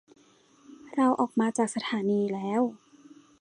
เราออกมาจากสถานีแล้ว